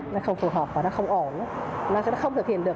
nó không phù hợp và nó không ổn nó không thực hiện được